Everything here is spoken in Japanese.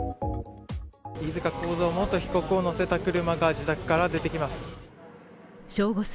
飯塚幸三元被告を乗せた車が自宅から出てきます。